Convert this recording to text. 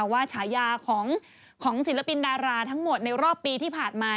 ฉายาของศิลปินดาราทั้งหมดในรอบปีที่ผ่านมา